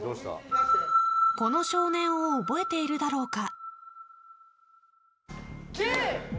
この少年を覚えているだろうか。